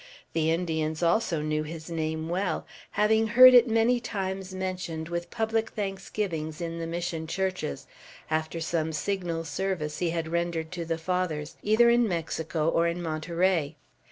The Indians also knew his name well, having heard it many times mentioned with public thanksgivings in the Mission churches, after some signal service he had rendered to the Fathers either in Mexico or Monterey.